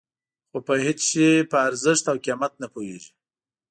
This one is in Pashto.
خو په هېڅ شي په ارزښت او قیمت نه پوهېږي.